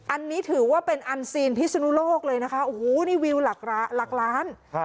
อันนี้ถือว่าเป็นอันซีนพิศนุโลกเลยนะคะโอ้โหนี่วิวหลักล้าน